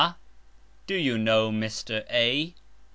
Do you know Mr. A.?